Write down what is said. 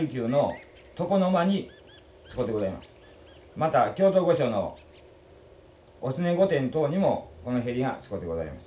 また京都御所の御常御殿等にもこの縁が使うてございます。